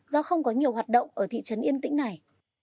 do không có nhiều hoạt động ở thị trấn yên tĩnh này